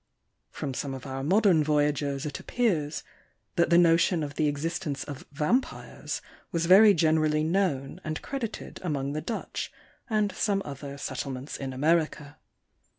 From some of our modern voyagers it appears, that the notion of the ex istence ofVampyres was very generally known and credited among the Dutch, and some other settlements in America.